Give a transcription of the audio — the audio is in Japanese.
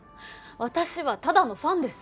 私はただのファンです